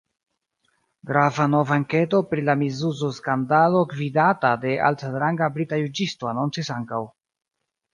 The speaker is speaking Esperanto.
Grava nova enketo pri la misuzo skandalo gvidata de altranga brita juĝisto anoncis ankaŭ.